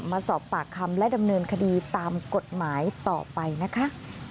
มาสอบปากคำและดำเนินคดีตามกฎหมายต่อไปนะคะ